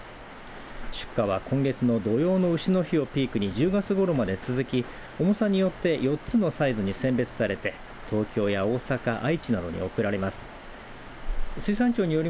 出荷は今月の土用のうしの日をピークに１０月ごろまで続き重さによって４つのサイズに選別されて東京や大阪愛知などに送られます。